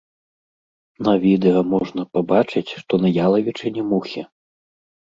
На відэа можна пабачыць, што на ялавічыне мухі.